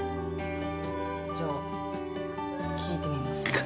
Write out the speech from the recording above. じゃあ聞いてみます。